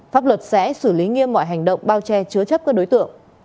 pháp luật sẽ xử lý nghiêm mọi hành động bao che chứa chấp các đối tượng